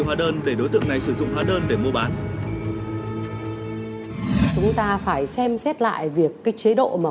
hóa đơn để đối tượng này sử dụng hóa đơn để mua bán chúng ta phải xem xét lại việc cái chế độ mà